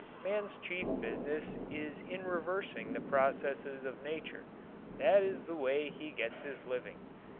Man's chief business is in reversing the processes of nature. That is the way he gets his living.